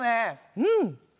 うん。